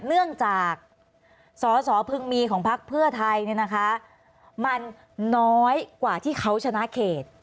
เนื่องจากสอสอพึงมีของพักเพื่อไทยเนี่ยนะคะมันน้อยกว่าที่เขาชนะเขต